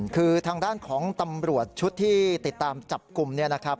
คือทางด้านของตำรวจชุดที่ติดตามจับกลุ่มเนี่ยนะครับ